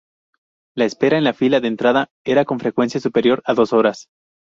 La espera en la fila de entrada era con frecuencia superior a dos horas.